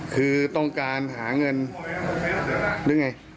คือต้องการหาเงินหรือไง